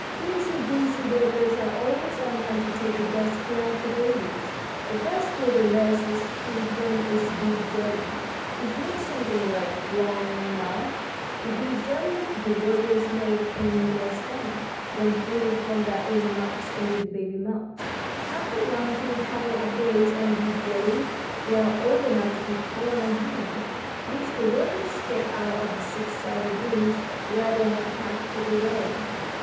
"Busy, busy workers are always on hand to take the best care of the babies. The first food the nurses give them is bee jelly, which looks something like blanc mange. This bee jelly the workers make in their stomach, then feed it from their own mouths into the baby mouths. After lunching a couple of days on bee jelly they are old enough to eat pollen and honey, which the workers get out of the six sided rooms where they have packed it away.